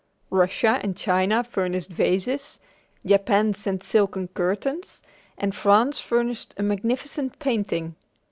Russia and China furnished vases, Japan sent silken curtains, and France furnished a magnificent painting.